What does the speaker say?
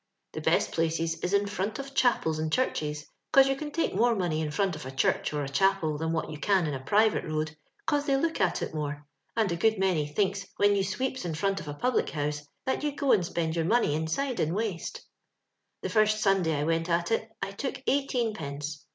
The b^t places is in front of chapels and churches, 'cause you can take more money in front of a church or a chapel than wot you can in a private road, 'cos they look at it more, and a good many thinks when you sweeps in front of a public house that yon go and si)end your money inside in waste. The first Sunday I went at it, I took eighteenpence.